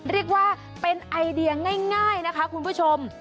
เรียกว่าเป็นไอเดียง่ายนะคะคุณผู้ชม